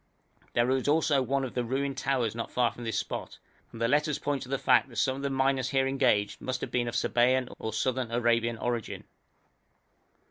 There is also one of the ruined towers not far from this spot, and the letters point to the fact that some of the miners here engaged must have been of Sabæan or Southern Arabian origin.